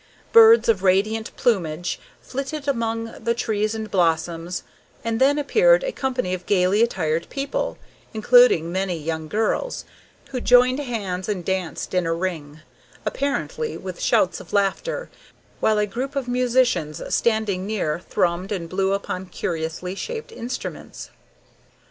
Birds of radiant plumage flitted among the trees and blossoms, and then appeared a company of gayly attired people, including many young girls, who joined hands and danced in a ring, apparently with shouts of laughter, while a group of musicians standing near thrummed and blew upon curiously shaped instruments.